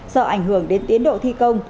sợ ảnh hưởng đến tiến độ thi công